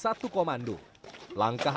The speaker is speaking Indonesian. setelah sehr kemampun banyak lady ni mejor